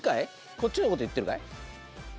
こっちのこと言ってるかい？